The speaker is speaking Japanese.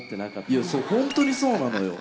いや、そう、本当にそうなのよ。